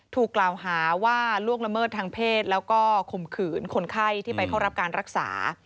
ถูกกล่าวหาว่าล่วงละเมิดทางเพศแล้วก็ข่มขืนคนไข้ที่ไปเข้ารับการรักษา